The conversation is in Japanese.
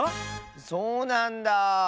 そうなんだ。